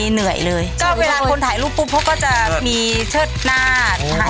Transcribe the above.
เหนื่อยเลยก็เวลาคนถ่ายรูปปุ๊บเขาก็จะมีเชิดหน้าถ่าย